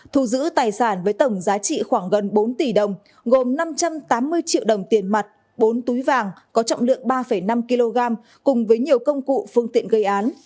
thu giữ tài sản với tổng giá trị khoảng gần bốn tỷ đồng gồm năm trăm tám mươi triệu đồng tiền mặt bốn túi vàng có trọng lượng ba năm kg cùng với nhiều công cụ phương tiện gây án